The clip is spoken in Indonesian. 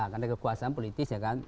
karena kekuasaan politis ya kan